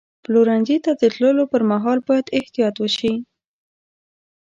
پلورنځي ته د تللو پر مهال باید احتیاط وشي.